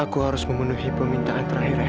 aku harus memenuhi permintaan terakhir